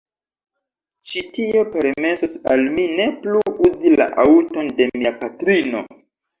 Ĉi tio permesos al mi ne plu uzi la aŭton de mia patrino.